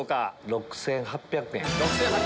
６８００円。